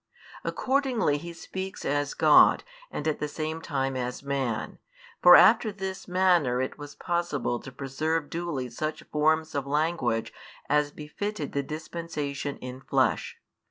Accordingly He speaks as God and at the same time as man: for after this manner it was possible to preserve duly such forms of language as befitted the dispensation in flesh.